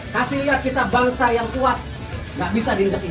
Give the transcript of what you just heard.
kasih lihat kita bangsa yang kuat gak bisa diinjak injak